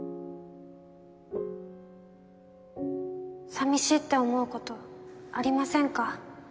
寂しいって思うことありません